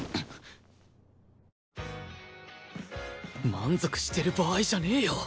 満足してる場合じゃねえよ！